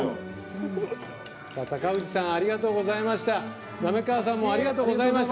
高藤さんありがとうございました。